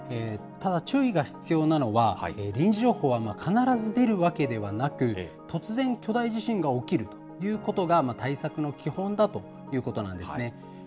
ただ注意が必要なのは、臨時情報は必ず出るわけではなく、突然、巨大地震が起きるということが、対策の基本だということなんですね。